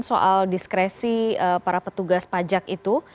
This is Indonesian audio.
soal diskresi para petugas pajak itu